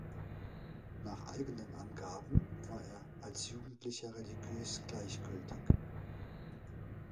Nach eigenen Angaben war er als Jugendlicher religiös gleichgültig.